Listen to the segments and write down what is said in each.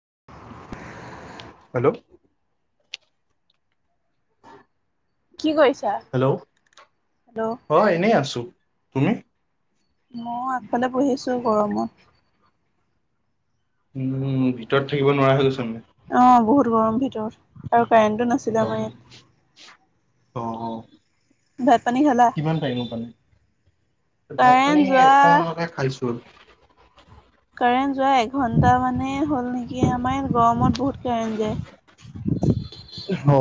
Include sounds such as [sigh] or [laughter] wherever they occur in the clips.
[inaudible] Hello কি কৰিছা? Hello hello, অ এনেই আছো তুমি? মই আগফালে বহি আছো গৰমত। উম ভিতৰত থাকিব নোৱাৰা হৈ‌ গৈছো ম আহ বহুত গৰম ভিতৰত আৰু কাৰেণ্টটো নাছিলে আমাৰ ইয়াত অ অ ভাত পানী খালা? কিমান টাইমৰ নাই ভাত কাৰেণ্ট পানী যোৱা অকমানতে খাইছো আৰু কাৰেণ্ট যোৱা এঘন্টা মানে হ'ল নেকি আমাৰ ইয়াত গৰমত বহুত কাৰেণ্ট যায়। অ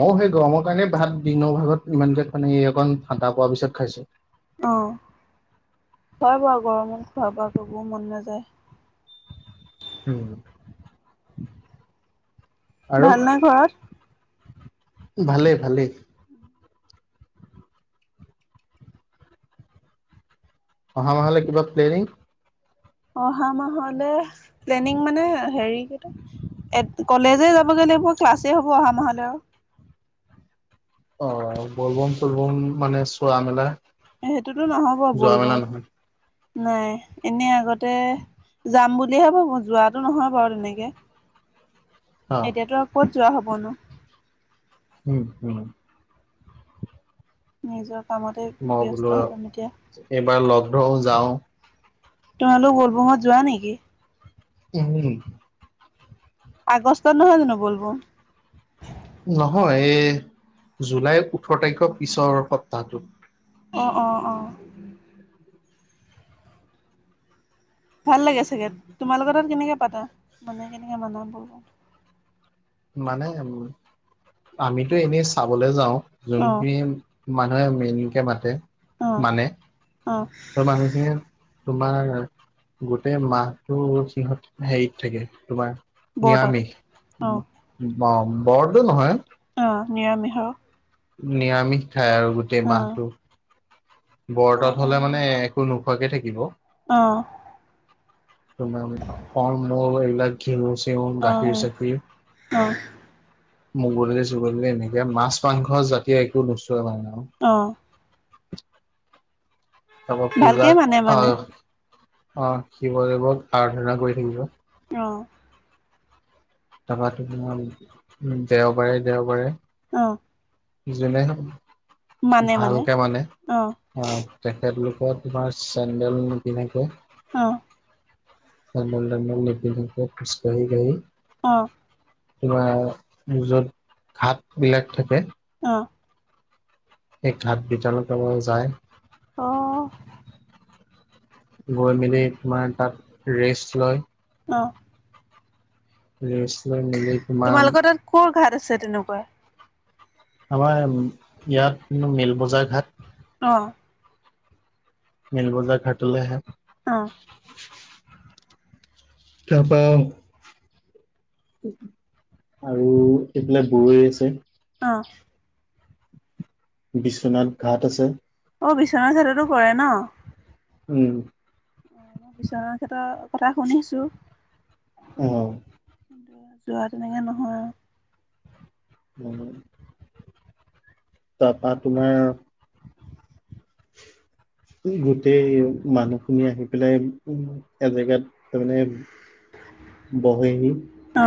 মইয়ো সেই গৰমৰ কাৰণে ভাত দিনৰ ভাগত ইমানকে খানে অকণ ঠাণ্ডা হোৱাৰ পিছত খাইছো। আহ হয় বাৰু গৰমত খোৱা বোৱা কৰিব মন নাযায়। উম আৰু ভাল না ঘৰত? ভালেই ভালে। অহা মাহলে কিবা প্লেৰিং? অহা মাহলে প্লেনিং মানে হেৰি কেইটা এ কলেজে যাবগে লাগিব ক্লাছে হ'ব অহা মাহলৈ অ বলবম চলবম মানে চোৱা মেলা সেইটোতো নহব বল যোৱা মেলা বম নহয়। নাই এনে আগত ততে যাম বুলিহে ভাবো যোৱাতটো নহয় বাৰু তেনেকে অ এতিয়াতো ক'ত যোৱা হবনো। উম হম নিজৰ কামতে মই ব্যস্ত বোলো হৈ যাম এতিয়া আৰু এইবাৰ লগ ধও যাও। তোমালোক বলবমত যোৱা নেকি? উম। আগষ্টত নহয় জানো বলবম? নহয় এই জুলাইৰ ওঠৰ তাৰিখৰ পিছৰ সপ্তাহটোত। অঁ অঁ অঁ। ভাল লাগে চাগে তোমালোকৰ তাত কেনেকৈ পাতা মানে কেনেকৈ মনা ব মানে উম আমিতো এনেই চাবলৈ যাও অ যোনখিনি মানুহে মেইনকে মাতে অ মানে অ ত মানুহখিনি তোমাৰ গোটেই মাহটো সিহঁত হেৰিত থাকে তোমাৰ বৰ্তত নিৰামিষ অ বৰদো নহয়। অ নিৰামিষ। নিৰামিষ খাই আৰু গোটেই মাহটো বৰতত হলে মানে একো ন খোৱাকে থাকিব। আহ মোৰ ফল মূল এই বিলাক ঘেহু তেওঁ অ গাখীৰ চাখিৰ অ মগধলি চুগধলি এনেকে মাছ মাংস জাতি একো নোচোৱা নাই ন। অ তাৰপৰা ভালকে পূজাক মানে মানে আহ আহ শিৱদেৱক আৰাধনা কৰি থাকিব। অ। তাপা তোমাৰ উ দেওবাৰে দেওবাৰে আহ। যোনে ভালকে মানে অ', আহ তেখেতলোক তোমাৰ চেণ্ডেল কেনেকৈ আহ। চেণ্ডেল টেণ্ডেল নিপিন্ধাকৈ খোজ কাঢ়ি কাঢ়ি অ। তোমাৰ যত ঘাট বিলাক থাকে। অ। এক ঘাট বিতাল ত মাৰ যায়। অ'। গৈ মেলি তোমাৰ তাত ৰেষ্ট লয়। অঁ। ৰেষ্ট লৈ মেলি তোমাৰ তোমালোকৰ তাত ক ঘাট আছে তেনেকুৱা? আমাৰ ইয়াত মিল বজাৰ ঘাট। অ। মিলবজা ঘাটলে আহে। অ। [unintelligible] তাৰ পৰা আৰু এইবিলাক বৈ আছে। অ। বিশ্বনাথ ঘাট আছে। অ, বিশ্বনাথ ঘাটতো কৰে ন? উম। বিশ্বনাথ ক্ষেত্ৰৰ কথা শুনিছোঁ। আহ। কিন্তু যোৱা তেনেকৈ নহয়। উম, তাৰপৰা তোমাৰ উ। গোটেই মানুহখিনি আহি পেলাই উ এজেগাত তাৰমানে বহেহি। অ।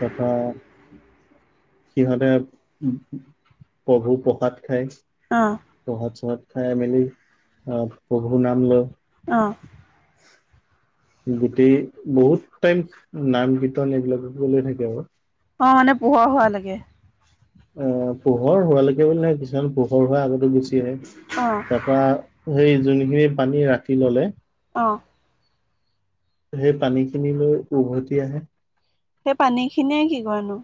তথা সিহঁতে উ প্ৰভু প্ৰসাদ খায়। অ', প্ৰখাট- চখাত খাই মেলি অ প্ৰভু নাম লয়। আহঁ। গোটেই বহুত টাইম নাম কীৰ্তন এইবিলাক লৈ থাকে আৰু। অ, মানে পোহৰ হোৱা লেকে। অ, পোহৰ হোৱালৈকে বুলি নহয় কিছুমান পোহৰ হোৱা আগতো গুচি আহে। অ', তাৰ পৰা সেই যোনখিনি পানী ৰাখি ললে অঁ। সেই পানীখিনিলৈ উভতি আহে। সেই পানী খিনিয়ে কি কৰানো?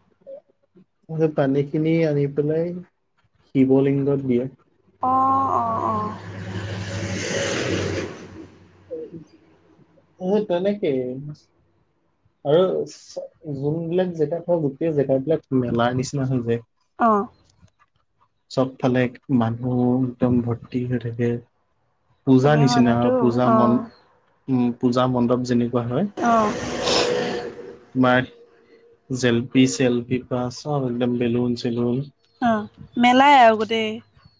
পানী খিনি আনি পেলাই শিৱলিংগত দিয়ে। অ', অ', অ', উ। উম তেনেকেই। আৰু যোনবিলাক জেগা থওঁ গোটেই জেগা বিলাক মেলা নিচিনা হৈ যায়। অঁ চবফালে মানুহ একদম ভৰ্তি হৈ থাকে। পূজা চবেই নিচিনা হয় মানেতো পূজা অ', মণ্ডপ উ পূজা মণ্ডপ যেনে অঁ তোমাৰ জেলপি চেলপি পৰা চব একদম বেলুন চেলুন। অ মেলাই আৰু গোটেই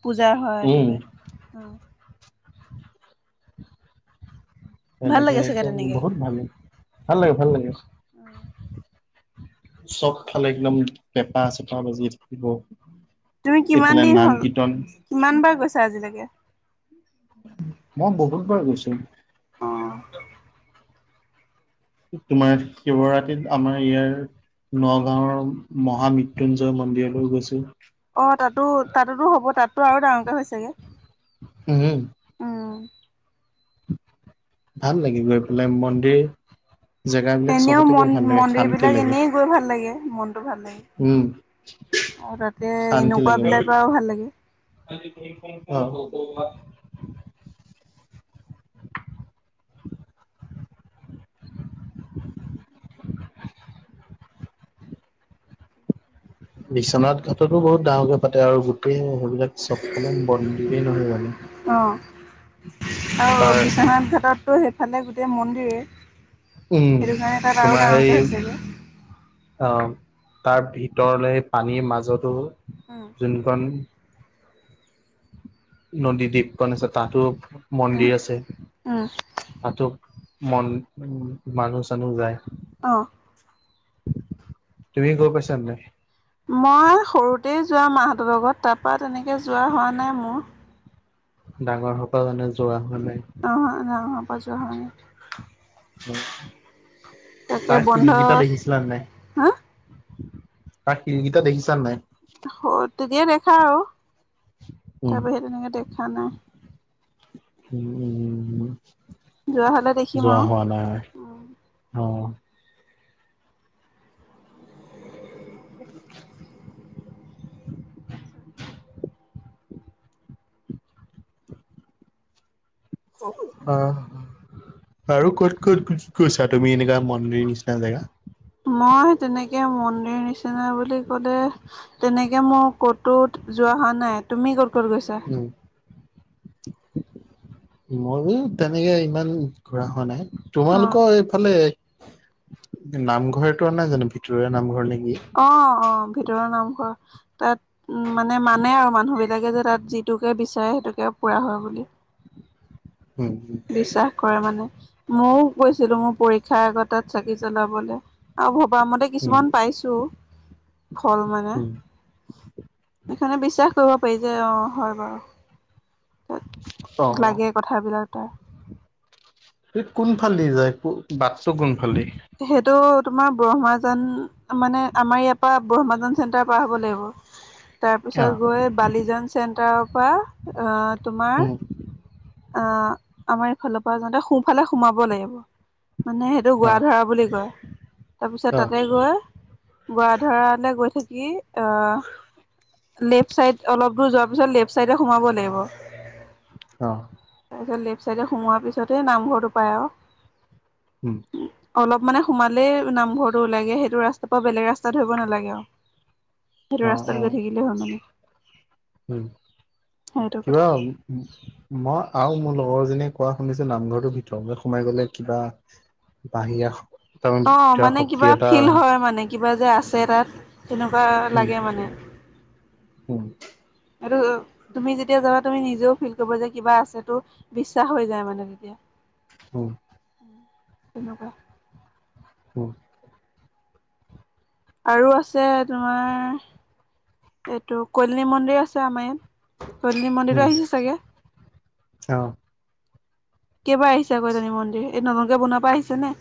পূজা হয় উম একেবাৰে অ ভাল এনেকে লাগে চাগে একদম তেনেকে? বহুত ভাল ভাল লাগে ভাল লাগে। অ চবফালে একদম পেঁপা চেপা বাজি থাকিব। তুমি কিমান এইফালে দিন নাম হল কীৰ্তন কিমান বাৰ গৈছা আজিলৈকে। মই বহুতবাৰ গৈছো। অ তোমাৰ শিৱৰাতিত আমাৰ ইয়াৰ নগাঁওৰ মহামৃত্যুঞ্জয় মন্দিৰলৈ গৈছো। অ তাতো তাতোতো হ'ব তাতো আৰু ডাঙৰকে হৈ ছাগে। উমম আহ ভাল লাগে গৈ পেলাই মন্দিৰ। জেগাবিলাক এনেও চবতে গৈ মন ভাল লাগে মন্দিৰ শান্তি বিলাক লাগে এনেই গৈ ভাল লাগে মনটো ভাল উম লাগে। আৰু তাতে এনেকুৱা বিলাৰ পৰাও ভাল লাগে। অহ [inaudible] বিশ্বনাথ ঘাটতো বহুত ডাঙৰকে পাতে আৰু গোটেই সেইবিলাক চবফালে মন্দিৰে নহয় জানো। অঁ আৰু তাৰ বিশ্বনাথ ঘাটততো সেইফালে গোটেই মন্দিৰে। উম সেইটো কাৰণে তাত আৰু তোমাৰ ডাঙৰকে সেই হৈছেগে। অ তাৰ ভিতৰলে পানীৰ মাজতো উম যোনখন। নদী দ্বীপ খন আছে তাতো মন্দিৰ আছে উম তাত। মন উ মানুহ চানুহ যায়। অঁ তুমি গৈ পাইছা নে নাই। মই সৰুতেই যোৱা মাহঁতৰ লগত তাৰপৰা তেনেকে যোৱা হোৱা নাই মোৰ। ডাঙৰ হোপা জনে যোৱা হোৱা নাই। অ নাই আমাৰ যোৱা হোৱা নাই। উম তাকে তাইৰ বন্ধ শিলগিতা দেখিছিলা নাই? হা তা শিলকিটা দেখিছা নাই? তিকে দেখা আৰু উম তাৰ বাহিৰে তেনেকে দেখা নাই। উম উম যোৱা হলে দেখিম যোৱা আৰু হোৱা নাই অ। [inaudible] আহ আৰু ক'ত ক'তত গৈছা তুমি এনেকুৱা মন্দিৰ নিচিনা জেগা। মই তেনেকে মন্দিৰ নিচিনা বুলি ক'লে তেনেকে মোৰ কতু যোৱা হোৱা নাই তুমি ক'ত ক'ত গৈছা? মোৰো তেনেকে ইমান ঘূৰা হোৱা নাই। অ তোমালোকৰ এইফালে নামঘৰটো নাই জানো ভিতৰুৱা নামঘৰ নেকি? অ অ ভিতৰৰ নামঘৰ তাত। মানে মানে আৰু মানুহবিলাকে যে তাত যিটোকে বিচাৰে সেইটোকে পুৰা হয় বুলি। উম বিশ্বাস কৰে মানে মোৰ। কৈছিলো মোৰ পৰীক্ষাৰ আগ তাত চাকি জলাবলৈ আৰু বামতে উম কিছুমান পাইছো ফল মানে উম সকাৰে বিশ্বাস কৰিব পাৰি যে অ হয় বাৰু অ তাত লাগে কথাবিলাক তাৰ স কোনফালদি যায় বাট টো কোনফালদি সেইটো তোমাৰ ব্ৰহ্মাজান মানে আমাৰ ইয়াৰ পৰা ব্ৰহ্মাজান চেণ্টাৰ পৰা হ'ব লাগিব। অ তাৰপিছত গৈ বালিজান চেণ্টাৰৰ পৰা তোমাৰ উম আহ আমাৰ এইফালৰ পৰা যাওঁতে সোফালে সোমাব লাগিব। মানে সেইটো অ গোৱা ধৰা বুলি কয়। তাৰপিছত অ তাতে গৈ বৰা ধৰালে গৈ থাক- কি অ লেফট চাইড অলপ দূৰ যোৱাৰ পিছত লেফট চাইটে সোমাব লাগিব। অ তাৰপিছত লেফ্ট ছাইডে সোমোৱাৰ পিছতেহে নামঘৰটো পায় আও। উম অলপ মানে সোমালেই নামঘৰটো ওলাইে সেইটো ৰাস্তাৰ পৰা বেলেগ ৰাস্তা ধৰিব নালাগে আও। সেইটো অ অ ৰাস্তাত গৈ থাকিলে হয় মানে। উম সেইটো কথা কিবা ম- আৰু মোৰ লগৰজনীয়ে কোৱা শুনিছো নামঘৰটো ভিতৰ সোমাই গলে কিবা বাহিৰা তাৰমানে অ ভিতৰা মানে শক্তি কিবা এটা ফিল আহে। হয় মানে। কিবা যে আছে তাত তেনেকুৱা লাগে মানে। হম আৰু তুমি যেতিয়া যাবা তুমি নিজেও ফিল কৰিব যে কিবা আছে তটো বিশ্বাস হৈ যায় মানে তেতিয়া। অ তেনেকুৱা উম আৰু আছে তোমাৰ এইটো কল্যানী মন্দিৰ আছে আমাৰ ইয়াত। কল্যানী মন্দিৰ উম আহিছে চাগে? অ কেইবাৰ আহিছে আ কল্যানী মন্দিৰ এই নতুনকে বনোৱাৰ পৰা আহিছে নে?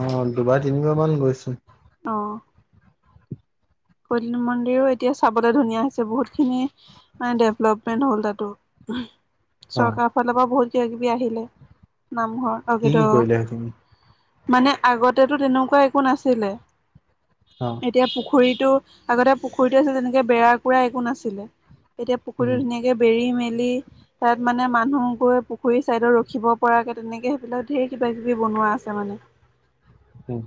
অ দুবাৰ তিনিবাৰ মান গৈছো। অ কৈল মন্দিৰো এতিয়া চাবলৈ ধুনীয়া হৈছে বহুতখিনি মানে ডেভলপমেণ্ট হ'ল তাতো অ চৰকাৰৰ কি ফালৰ পৰা বহুত কিব কিবি আহিলে। নামঘৰ অ কিটো কি কৰিলে সেইখিনি মানে আগতেতো তেনেকুৱা একো নাছিলে অ এতিয়া পুখুৰীত আগতে পুখুৰীতটো আছিল তেনেকে বেৰা কুৰা একো নাছিলে এতিয়া উম পুখুৰীতটো ধুনীয়াকে বেৰি মেল। তাত মানে মানুহ গৈ পুখুৰী চাইডত ৰখিব পৰাকে তেনেকে সেইবিলাক ধেৰ কিবা কিবি ব। বোৱা আছে মানে। উম।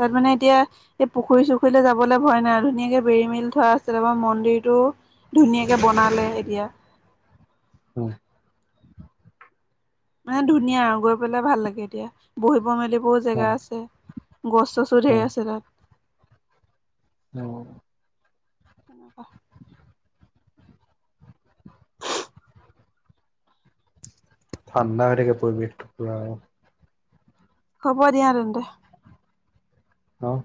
তাত মানে এতিয়া এই পুখুৰী চুখুৰীলৈ যাবলে হয় নাই ধুনীয়াকে বেৰি মিল থোৱা আছে তাৰপৰা মন্দিৰটো ধুনীয়াকে বনালে এতিয়া। [inaudible] অ মানে ধুনীয়া আৰু গৈ পেলাই ভাল লাগে এতিয়া বহিব মেলিব বহুত অ জেগা আছে গছ চছো ঢেৰ আছে তাত অ ঠাণ্ডা হৈ থাকে পৰিৱেশটো পুৰা হ'ব দিয়া তেন্তে। আহ